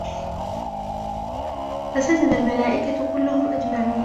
فَسَجَدَ الْمَلَائِكَةُ كُلُّهُمْ أَجْمَعُونَ